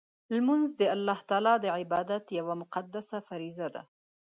لمونځ د الله تعالی د عبادت یوه مقدسه فریضه ده.